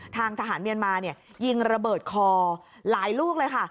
ทางทหารเมียนมายิงระเบิดคอหลายลูกเลยค่ะ